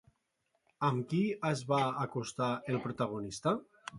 A qui es va acostar el protagonista?